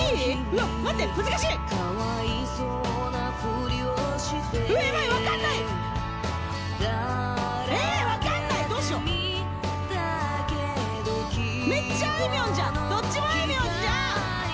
わっ待って難しいうわやばい分かんないめっちゃあいみょんじゃんどっちもあいみょんじゃん